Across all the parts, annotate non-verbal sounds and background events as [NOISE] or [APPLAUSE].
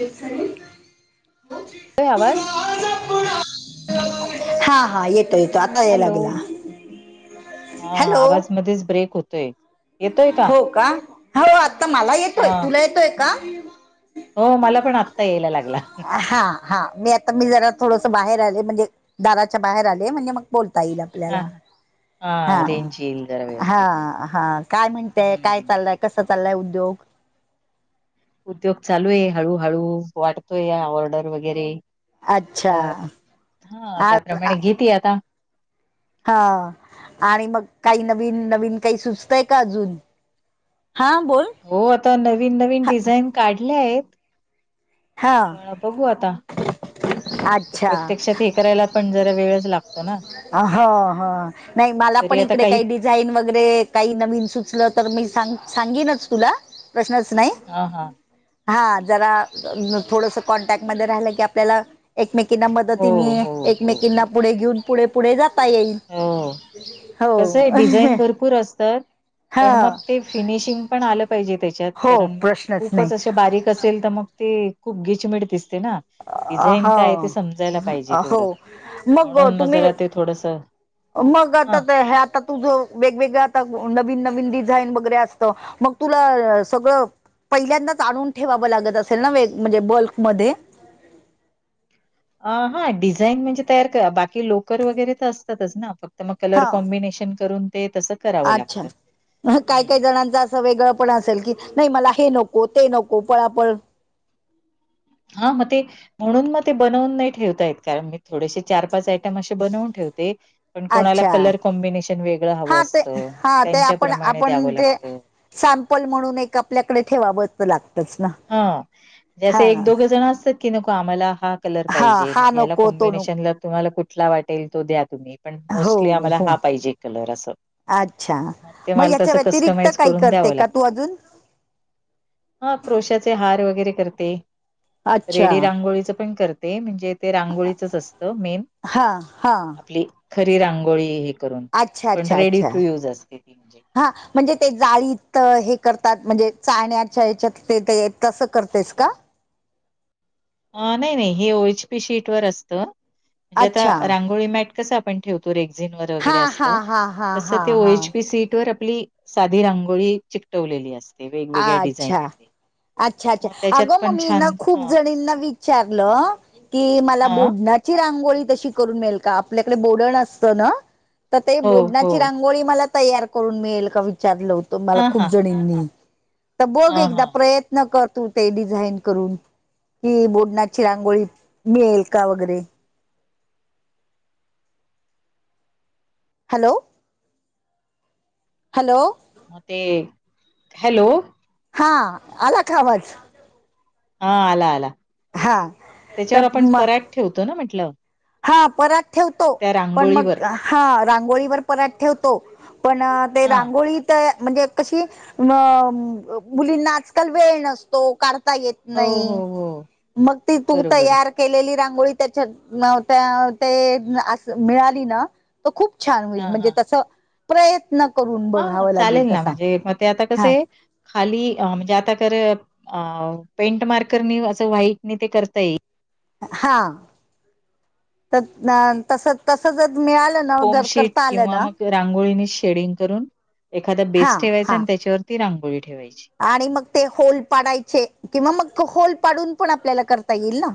े सल [INAUDIBLE] येेतोय आवाज हा हा येतो येतो आता यायला हॅलो लागला हा हॅलो आवाज मध्येच ब्रेक होतोय हो का हो आता मला येतोय हा तुला येतोय का हो मला पण आत्ता यायला लागला हा हा मी आता मी जरा थोडस बाहेर आले म्हणजे दाराच्या बाहेर आले म्हणजे मग बोलता येईल हा आपल्याला हा रेंज येईल जरा हा व्यवस्थित हा काय म्हणताय काय हम्म चाललंय कसा चाललंय उद्योग उद्योग चालू आहे हळूहळू वाटतो या ऑर्डर वगैरे अच्छा अ हा आ- त्याप्रमाणे घेत आता हा आणि मग काही नवीन नवीन काही सुचतय का अजून हां बोल हो आता नवीन नवीन डिझाईन काढल्या आहेत हा प बघू आता ते अच्छा प्रत्यक्षात हे करायला पण जरा वेळच लागत हो ह नाही मला पण तरी आता इकडे काही दि डिझाईन वगैरे काही नवीन सुचलं तर मी सांग सांगेनच तुला प्रश्नच नाही ह हा हा जरा थोडस कॉन्टॅक्टमध्येध्ये राहिलं की आपल्याला एकमेकीना हो मदतीने हो हो एकमेकींना पुढे घेऊन पुढे पुढे जाता येईल हो हो कसं आहे डिझाईन भरपूर असतात हा पण मग ते फिनिशिंग पण आलं पाहिजे त्याच्यात हो कारण मग प्रश्नच नाही खूपच असे बारीक असेल तर मग ते खूप गिचमीिट दिसते ना डिझाईन काय ते हो समजायला पाहिजे हो तेवढं म्हणून मग जरा ते थोडस मग आता हा. ह आता तुझं वेगवेगळ आता नवीन नवीन डिझाईन वगैरे अस मग तुला सगळं पहिल्यांदाच आणून ठेवावं लागत असेल ना वेग म्हणजे बल्कमध्येध्ये हा डिझाईन म्हणजे तयार करा बाकी लोकर वगैरे तर असतातच ना तर मग कलर हां कॉम्बिनेशन करून ते तसंच अच्छा म काय काही जणांचा वेगळं पण असेल की नाही मला हे नको ते नको पळापळ हा मग ते म्हणून मग ते बनवून नाही ठेवतायत कारण मी थोडेसे चार पाच आयटम असे बनवून ठेवते पण कोणाला अच्छा कलर कॉम्बिनेशन वेगळं हवं हां ते असतं हां ते आपण त्यांच्याप्रमाणे आपण द्यावं ते लागतं सॅम्पल म्हणून एक आपल्याकडे ठेवावं तर लागतच ना हा ज असं एक हां दोघं जण असतात की नको आम्हाला हा कलर हां पाहिजे हा मग याला नको तो नको कॉम्बिनेशनला तुम्हाला कुठला वाटेल तो द्या तुम्ही पण मोस्टली हो आम्हाला हो हा पाहिजे कलर असं अच्छा मग ते माल याच्या तस व्यतिरिक्त कस्टमाइज काही करून करते द्यावं का तू लागतं अजून हा क्रोशाचे हार वगैरे करते अच्छा रेडी रांगोळीच पण करते ते म्हणजे ते रांगोळीचच असत मेन हा हा आपली खरी रांगोळी हे अच्छा प अच्छा रेडी अच्छा ट य हा म्हणजे ते जाळीत हे करतात म्हणजे चाण्याच्या या्याच्यात ते तसं करतेस का नाही नाही हे ओळच पी शीट वर असतं म्हणजे आता अच्छा रांगोळी मॅट कसं आपण ठेवतो रेक्झन वर हा वगैरे असत हा हा हा तस हा ते हा ओएच पी सीट वर आपली साधी रांगोळी चिकटवलेली असते वेगवेगळ्या डिझाईन अच्छा मध्ये. अच्छा अच्छा मग त्याच्यात अगं पण मगी ना छान खूप हा जणींना विच विचारलं की मला ब हा रांो कर का आपल्याक बड असत हो ब हो रांंगोळी मला तयार करून मिळेल का विचारलं होतं मला हा खूप हा जणींनी तर बघ हा एकदा हा. प्रयत्न करतू ते डिझाईन करून कि बोडनाची रांगोळी मिळेल का वगैरे हॅलो. हॅलो. ते हॅलो हा आला खावाच हा आला आला हा तर त्याच्यावर आपण म पराग ठेवतो ना म्हटलं हा पराठ ठेवतो पण रांगोळीवर मग हा रांगोळीवर पराठ ठेवतो पण ते हा रांगोळी म्हणजे कशी? अ मुलींना आजकाल वेळ नसतो. काढता येत हो हो नाही. हो मग ती तू बरोबर तयार केलेली रांगोळी त्याच्यात न ते अ ते मिळाली ना खूप छान होईल हा म्हणजे हा त प्रय त्न करून हा बघावं लागेल चालेल का ना काय? म्हणजे मग ते आता कसं आहे? खाली म्हणजे आता कर पेंट मार्करनी असं व्हाईट नि ते करता येईल. हा तस तस जर मिळालं. तस नवं जर फोमशीट करता आलं किंवा ना. मग रांगोळीने शेडिंग करून एखादा हा बेस ठेवायचा हा आणि त्याच्यावरती रांगोळी ठेवायची. आणि मग ते होल पाडायचे. किंवा मग होल पाडून पण आपल्याला करता येईल ना.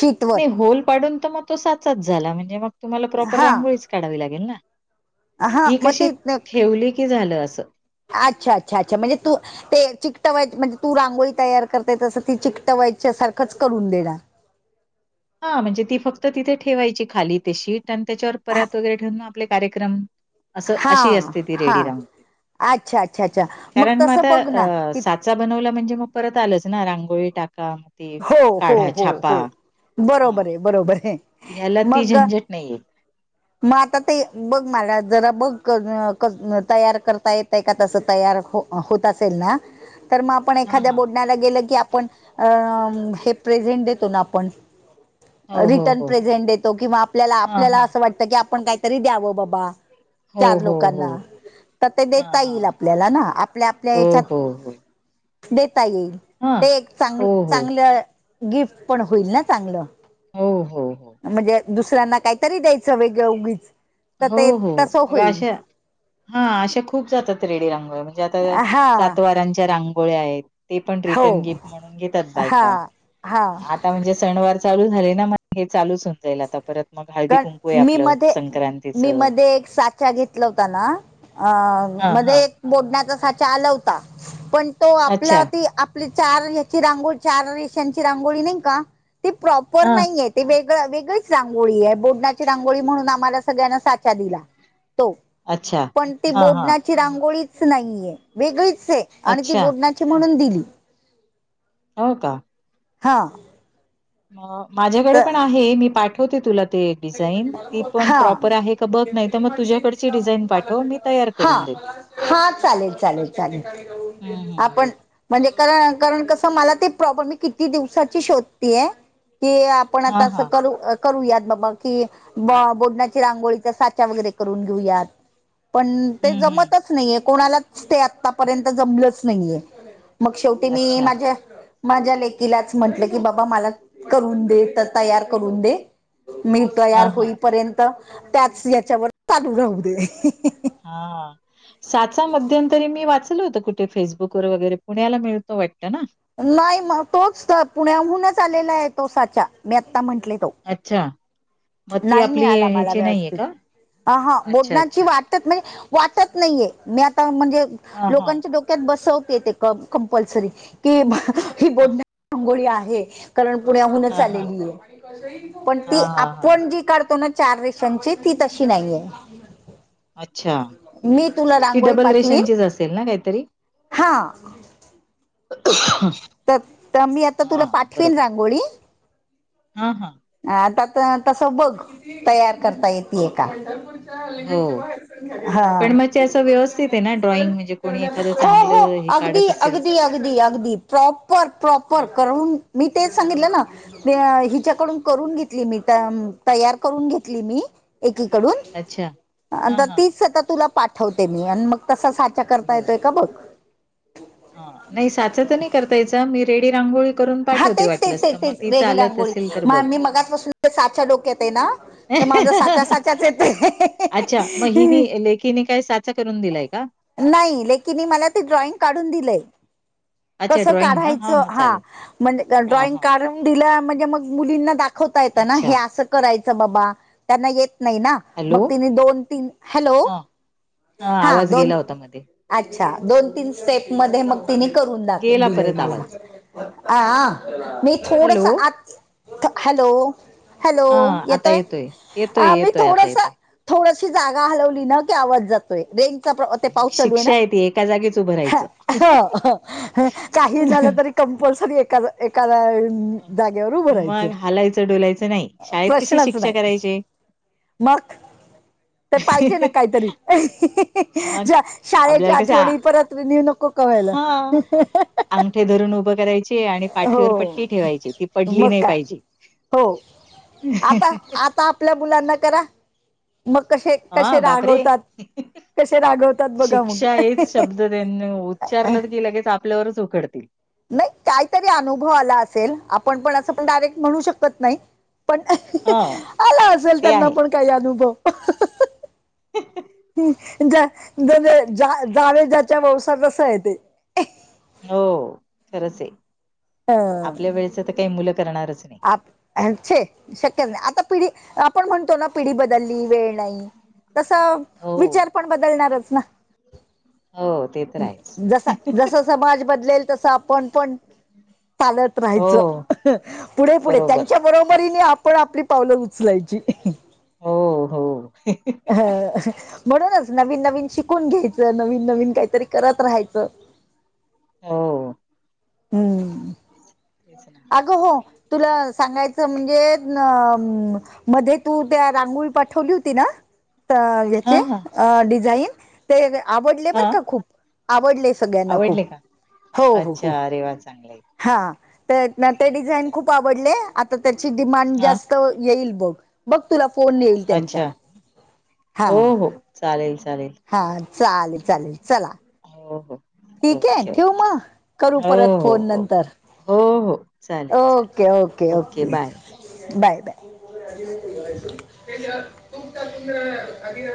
शीटवर नाही होल पाडून तर मग तो साचाच झाला म्हणजे मग तुम्हाला प्रॉपर हा रांगोळीच काढावी लागेल ना. हा ही मग कशी? ते ठेवली की झालं असं. अच्छा! अच्छा! अच्छा! म्हणजे तू ते चिकटवायच म्हणजे तू रांगोळी तयार करते तसं ती चिकटवायच्या सारखंच करून देणार. हा म्हणजे ती फक्त तिथे ठेवायची खाली ते तशी आणि त्याच्यावर हा परात वगैरे ठेवून आपले कार्यक्रम असं हा अशी असते, ती रेडी हा रांगोळी, अच्छा अच्छा अच्छा कारण मग तसं आता बघ ना अ की सात चा बनवला म्हणजे, मग परत आलंच ना रांगोळी टाका. ते हो हो काढा हो छापा हो, हा बरोबर आहे बरोबर आहे. ह्याला ती मग झंझट नाहीये. मग आता ते बघ मला जरा, बघ करण करणं तयार करता येते. ते का तसं तयार हो होत असेल, ना तर मग पण हा हा एखाद्या [UNINTELLIGIBLE] गेलो, की आपण प्रेझेंट देतो ना आपण. हो हो रिटर्न हो. प्रेझेंट देतो, किंवा आपल्याला हा आपल्याला हा असं वाटतं की, आपण काहीतरी द्यावं बाबा. हो चार हो हो. लोकांना तर ते हा देता हा येईल, आपल्याला ना आपल्या आपल्या हो याच्यात हो हो देता येईल, हा ते एक चांग हो हो चांगलं गिफ्ट पण होईल ना चांगलं. हो हो हो म्हणजे दुसऱ्यांना काहीतरी, द्यायचं वेगळं उगीच तर हो ते हो तसं मग होईल. अशा हा असे खूप जातात, रेडी रांगोळ्या म्हणजे आता हा सात वारांच्या रांगोळ्या आहेत. ते पण हो रिटर्न गिफ्ट म्हणून घेतात, हा बायका हा आता म्हणजे सणवार चालू झाले, ना मग हे चालूच होऊन जाईल, आता परत मग हळदी कुंकू कारण आहे मी आपलं मध्ये संक्रांती. मी मध्ये एक साचा घेतला होता ना, अ हा हा मध्ये एक बोडण्याचा साचा आला होता, पण तो आपल्या अच्छा अधी आप आपली चार ह्याची रांगोळी चार रेष्यांची रांगोळी नाही का? ते प्रॉपर हा नाही येत. ते वेगळ वेगळीच रांगोळी आहे, बोडण्याची रांगोळी म्हणून आम्हाला सगळ्यांना साचा दिला. तो अच्छा पण ते हा हा बोडण्याची ती रांगोळीच नाहीेये, वेगळीचं ये आणि ती अच्छा बोडण्याची म्हणून दिली. हो, का? हा. माझ्याकडे तर पण आहे, मी पाठवते तुला ते डिझाईन ती पण हा प्रॉपर आहे का? बघ नाही तर मग तुझ्याकडची डिझाईन पाठव मी तयार हा करून देते. हा, चालेल चालेल चालेल, हं, हं, आपण हं. म्हणजे कारण-कारण कसं मला ते प्रॉपर मी किती दिवसाची शोधतेय की पण आता हां, असं हां. करू- करूयात बाबा कि बो- बोडण्याची रांगोळीचा साच्या वगैरे करून घेऊयात. पण ते हं, हं. जमतचं नाहीये, कोणालाच ते आतापर्यंत जमलचं नाहीये. मग शेवटी मी अच्छा. माझ्या माझ्या लेकीलाच म्हंटलं, की बाबा मला करून दे त- तयार करून दे. मी तयार हां, होई हां. पर्यंत, त्याच याच्यावर चालू राहू दे. हा, साचा मध्यंतरी मी वाच होत कुठे फेसबुक वगैरे, पुण्याला मिळतो वाटतं ना? नाही मग तोच त पुण्याहूनचं आलेला आहे, तो साचा मी आता म्हंटले तो. अच्छा! मग ती नाही आपली मिळाला, मला ह्याची नाहीये व्यवस्थित का? हा अच्छा, बोटनाची अच्छा. वाट वाटत नाहीये, मी आता म्हणजे हां, हां. लोकांचे ड डोक्यात बसवते ते कंपलसरी कि हां, बोडण्याची रांगोळी आहे. कारण, पुण्याहूनचं हां, हां. आलेली पण ती हां, हां, आप हां. जी काढतो, ना चार रेशांची ती तशी नाहीये. अच्छा! मी तुला ती रांगोळी डबल पाठवीन रेषांचीचं असेल ना, काहीतरी हा. तर -तर मी आता तुला हां, पाठवेन रांगोळी हा हा. ह ता तसं बघ तयार करता येतीये का? हो, हा पण मग असं व्यवस्थित आहे, ना ड्रॉइंग म्हणजे कोणी एखादं हो चांगलं हो हे अगदी काढत असेल. अगदी अगदी अगदी प्रॉपर प्रॉपर हां, करून मी तेच सांगितलं ना, हिच्याकडून करून घेतली मी तयार करून घेतली मी अच्छा. एकीकडून हां, हां. तीच आता तुला पाठवते मी आणि मग तसा चर्चा करताय येतय का बघ. हा. नाही साचा तर नाही. यचा [UNINTELLIGIBLE] मी रेडी रांगोळी करून हा पाठवते तेच तेच वाटलं तर तेच मग तेच ती चालत असेल तर बघ. सा लोक येते ना. तर माझ साच्या साच्याच येते अच्छा मग हिने लेकीने काय साचा करून दिलाय का? नाही लेकीन मला ते ड्रॉइंग काढून दिलंय अच्छा कस ड्रॉइंग ना? हां, काढायचं मग हा चालेल. म्हणजे हां, ड्रॉइंग हां. काढून दिलं म्हणजे मग मुलींना दाखवता येतं ना हे अच्छा. असं करायचं बाबा त्यांना येत नाही ना मग हॅलो? तिने दोन तीन हॅलो हां, हां. हा आवाज दोन गेला होता मध्ये. [UNINTELLIGIBLE] अच्छा दोन तीन स्टेप मध्ये मग तिने करून दा गेला दिलंय परत मला आवाज. [UNINTELLIGIBLE] अ म [UNINTELLIGIBLE] थोडस हॅलो? आत [UNINTELLIGIBLE] हॅलो हॅलो हां, आता येतोय येतोय, आ मी येतोय आता थोडस येतोय. थोडशी जागा हलवली ना की आवज जात े [UNINTELLIGIBLE] मग पाऊस चालू आहे ना शिक्षा ती एका जागीच उभं हो राहायचं. हो काही झाल तरी कंपलसरी एका एकादा [UNINTELLIGIBLE] मग जाग्यावर उभं राहायचं हालायचं डोलायचं नाही शाळेत कशी प्रश्नच शिक्षा नाही [UNINTELLIGIBLE] करायचे म [UNINTELLIGIBLE] [UNINTELLIGIBLE] तर पाहिजे ना काहीतरी मग शाळेच्या आपल्याला कसं आठवणी आ- परत [UNINTELLIGIBLE] न्यू नको कर हा अंगठे धरून उभं करायची आणि [UNINTELLIGIBLE] पाठीवर हो पट्टी ठेवायची ती पडली मग नाही काय पाहिजे हो आता आता आपल्या मुलांना करा मग कशे [UNINTELLIGIBLE] हा कसे बापरे रागवतात कसे रागवतात बघा मग [UNINTELLIGIBLE] त्यां [UNINTELLIGIBLE] उच्चारलं की लगेच आपल्यावरच उकडतील [UNINTELLIGIBLE] [UNINTELLIGIBLE] नाही काहीतरी अनुभव आला असेल आपण पण असं पण डायरेक्ट म्हणू शकत नाही [UNINTELLIGIBLE] पण ह आला असेल ते त्यांना आहे पण काही अनुभव [UNINTELLIGIBLE] ह [UNINTELLIGIBLE] [UNINTELLIGIBLE] म्हजे जावेजाच्या व्यवसा कस आहे ते [UNINTELLIGIBLE] [UNINTELLIGIBLE] हो खरंच आहे. अ आपल्या वेळेच तर काही मुलं करणारच आहे. शक्यच नाही आता पिढी आपण म्हणतो ना पिढी बदलली वेळ नाही [UNINTELLIGIBLE] तस हो विचार पण बदलणारच ना हो ते तर आहेच जसा जस समाज बदलेल तस आपण पण चालत हो राहायच पुढे पुढे बरोबर त्यांच्या बरोबरी नाही आपण आपली पावलं उचलायची [UNINTELLIGIBLE] हो हो [UNINTELLIGIBLE] म्हणूनच नवीननवीन शिकून घ्यायचं. नवीन नवीन काहीतरी करत राहायचं. [UNINTELLIGIBLE] हो [UNINTELLIGIBLE] हम्म तेच ना अगं हो तुला सांगायचं. म्हणजे. अ मध्ये तू रांगोळी पाठवली होती. ना हा याचे हा डिझाईन ते आवडले हा बर का खूप आवडले. [UNINTELLIGIBLE] सगळ्यां. न खू आवडले का? हो. हो. हो अच्छा अरे वा चांगलंय हा [UNINTELLIGIBLE] ते चालेल डिझाईन चालेल खूप आवडले. आता त्याची डिमांड हा जास्त येईल. बघ [UNINTELLIGIBLE] बघ तुला फोन येईल. त्यांचा अच्छा हा [UNINTELLIGIBLE] चाल चालेल. [UNINTELLIGIBLE] हा चालेल चालेल चला [UNINTELLIGIBLE] हो हो. [UNINTELLIGIBLE] ठीक आहे. ओके ठेव ओके मग करू. हो परत हो फोन हो नंतर हो हो [UNINTELLIGIBLE] चालेल ओके. ओके. चालेल ओके बाय [UNINTELLIGIBLE] बाय. बाय [UNINTELLIGIBLE]